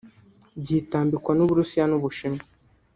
byitambikwa n’u Burusiya n’u Bushinwa